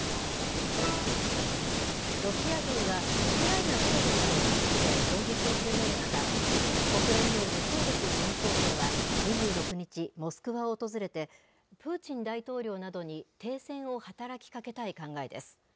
ロシア軍がウクライナ東部など各地で攻撃を強める中、国連のグテーレス事務総長は２６日、モスクワを訪れて、プーチン大統領などに停戦を働きかけたい考えです。